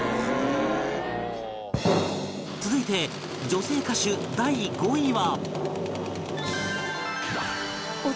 続いて女性歌手第５位は